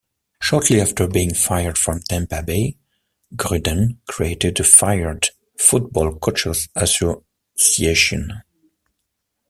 Shortly after being fired from Tampa Bay, Gruden created the Fired Football Coaches Association.